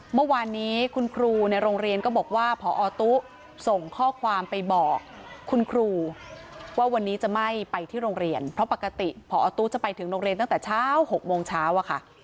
เมื่อวานนี้คุณครูในโรงเรียนก็บอกว่าพอตู้ส่งข้อความไปบอกคุณครูว่าวันนี้จะไม่ไปที่โรงเรียนเพราะปกติพอตู้จะไปถึงโรงเรียนตั้งแต่เช้า๖โมงเช้าอะค่ะ